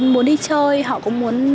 muốn đi chơi họ cũng muốn